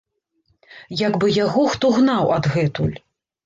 Як бы яго хто гнаў адгэтуль.